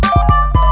kau mau kemana